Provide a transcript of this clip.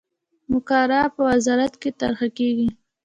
مقرره په وزارت کې طرح کیږي.